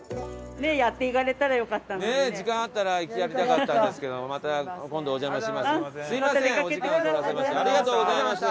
時間あったらやりたかったんですけどもまた今度お邪魔します。